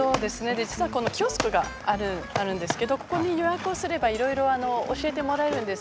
実は、キオスクがあるんですけどここに予約をすればいろいろ教えてもらえるんです。